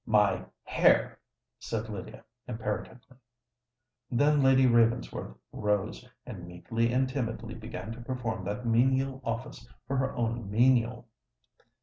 "My hair!" said Lydia, imperatively. Then Lady Ravensworth rose, and meekly and timidly began to perform that menial office for her own menial.